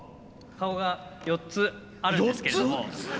顔が４つあるんですけれども。